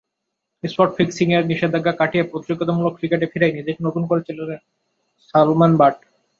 Spot ফিক্সিংয়ের নিষেধাজ্ঞা কাটিয়ে প্রতিযোগিতামূলক ক্রিকেটে ফিরেই নিজেকে নতুন করে চেনালেন সালমান বাট।